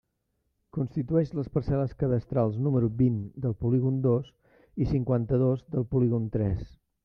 Constitueix les parcel·les cadastrals número vint del polígon dos i cinquanta-dos del polígon tres.